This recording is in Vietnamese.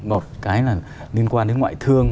một cái là liên quan đến ngoại thương